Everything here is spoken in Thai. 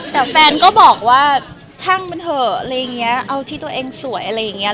แต่แฟนก็บอกว่าช่างมันเถอะอะไรอย่างเงี้ยเอาที่ตัวเองสวยอะไรอย่างนี้